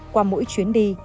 qua mỗi chuyến đi